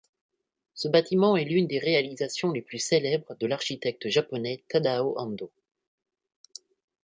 Ce bâtiment est l'une des réalisations les plus célèbres de l'architecte japonais Tadao Andō.